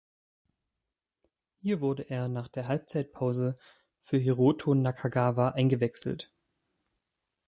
Hier wurde er nach der Halbzeitpause für Hiroto Nakagawa eingewechselt.